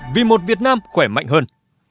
vì một việt nam khỏe mạnh hơn